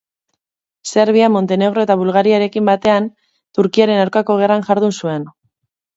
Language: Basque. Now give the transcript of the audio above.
Serbia, Montenegro eta Bulgariarekin batean Turkiaren aurkako gerran jardun zuen.